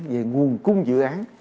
về nguồn cung dự án